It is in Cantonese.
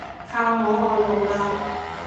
靠我，我老喇